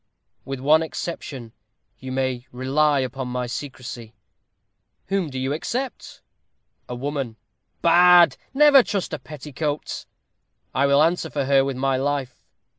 "With one exception, you may rely upon my secrecy." "Whom do you except?" "A woman." "Bad! never trust a petticoat." "I will answer for her with my life."